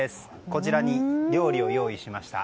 こちらに料理を用意しました。